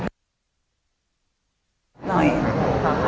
คุณแพทย์ขอบคุณค่ะคุณแพทย์ขอบคุณค่ะคุณแพทย์ขอบคุณค่ะ